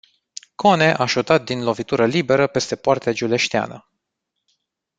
Kone a șutat din lovitură liberă peste poarta giuleșteană.